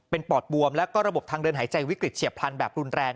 เป็นปอดบวมแล้วก็ระบบทางเดินหายใจวิกฤตเฉียบพลันแบบรุนแรง